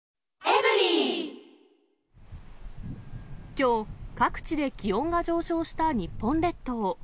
きょう、各地で気温が上昇した日本列島。